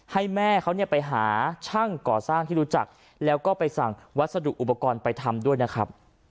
ให้แม่เขาเนี่ยไปหาช่างก่อสร้างที่รู้จักแล้วก็ไปสั่งวัสดุอุปกรณ์ไปทำด้วยนะครับ